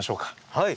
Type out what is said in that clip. はい。